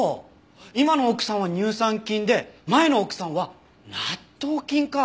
今の奥さんは乳酸菌で前の奥さんは納豆菌か！